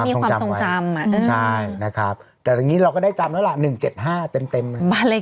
มงานไม่ได้ขาดสนแล้วเงินจะไปขายทำไม